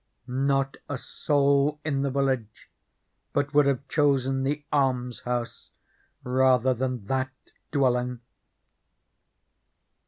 Not a soul in the village but would have chosen the almshouse rather than that dwelling.